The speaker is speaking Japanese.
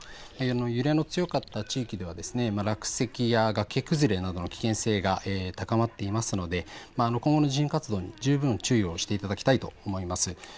揺れの強かった地域では落石や崖崩れなどの危険性が高まっていますので今後の地震活動に十分注意をしていただきたいと思います。